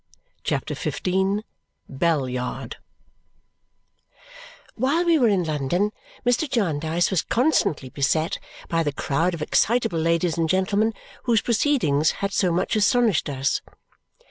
CHAPTER XV Bell Yard While we were in London Mr. Jarndyce was constantly beset by the crowd of excitable ladies and gentlemen whose proceedings had so much astonished us.